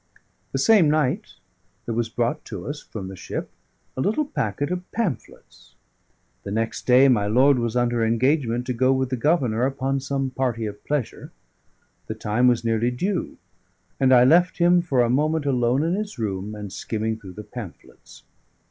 The same night there was brought to us from the ship a little packet of pamphlets. The next day my lord was under engagement to go with the Governor upon some party of pleasure; the time was nearly due, and I left him for a moment alone in his room and skimming through the pamphlets.